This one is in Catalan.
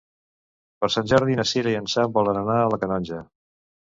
Per Sant Jordi na Cira i en Sam volen anar a la Canonja.